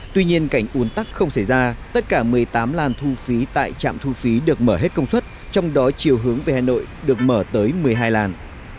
tuy nhiên cảnh un tắc không xảy ra tất cả một mươi tám làn thu phí tại trạm thu phí được mở hết công suất trong đó chiều hướng về hà nội được mở tới một mươi hai làn